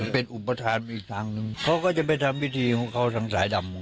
เป็นอุปฏิภัณฑ์อีกทางหนึ่งเขาก็จะไปทำวิธีของเขาทางสายดำของเขา